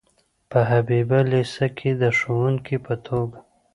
په حبیبیه لیسه کې د ښوونکي په توګه.